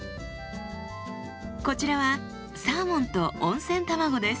こちらはサーモンと温泉卵です。